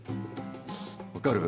分かる？